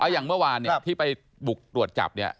อย่างเมื่อวานเนี่ยที่ไปบุกตรวจจับเนี่ย